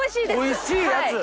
おいしいやつ。